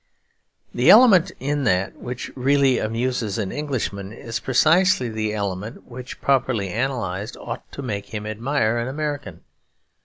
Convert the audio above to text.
The element in that which really amuses an Englishman is precisely the element which, properly analysed, ought to make him admire an American.